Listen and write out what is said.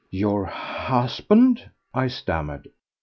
"Your husband!" I stammered.